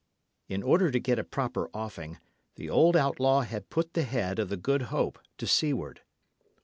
In order to get a proper offing, the old outlaw had put the head of the Good Hope to seaward.